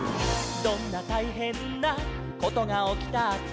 「どんなたいへんなことがおきたって」